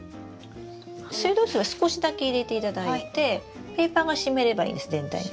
水道水は少しだけ入れていただいてペーパーが湿ればいいんです全体に。